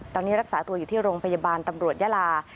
ตอนนี้รักษาตัวอยู่ที่โรงพยาบาลตำรวจยาลา